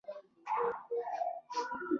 په دې پروژه کې چې